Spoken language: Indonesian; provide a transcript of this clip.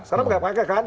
sekarang pegawai kpk kan